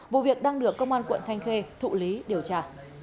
vụ việc đang được công an quận thanh khê thụ lý điều tra